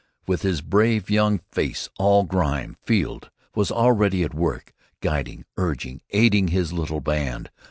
With his brave young face all grime, Field was already at work, guiding, urging, aiding his little band.